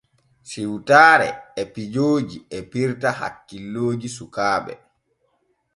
Siwtaare e pijoojo e pirta hakkilooji sukaaɓe.